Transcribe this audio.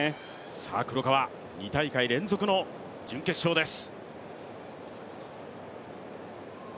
さあ黒川、２大会連続の準決勝です。